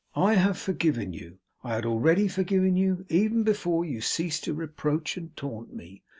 I have forgiven you. I had already forgiven you, even before you ceased to reproach and taunt me.